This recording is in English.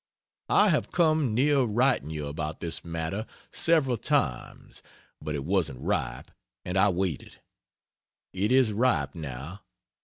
I have come near writing you about this matter several times, but it wasn't ripe, and I waited. It is ripe, now.